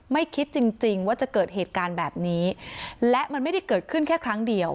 ไม่คิดจริงจริงว่าจะเกิดเหตุการณ์แบบนี้และมันไม่ได้เกิดขึ้นแค่ครั้งเดียว